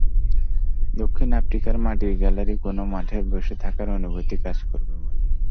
দক্ষিণ আফ্রিকার মাটির গ্যালারির কোনো মাঠে বসে থাকার অনুভূতি কাজ করবে মনে।